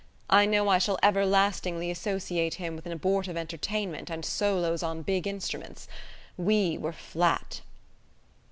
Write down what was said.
I know I shall everlastingly associate him with an abortive entertainment and solos on big instruments. We were flat."